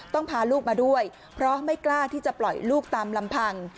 พาลูกมาด้วยเพราะไม่กล้าที่จะปล่อยลูกตามลำพัง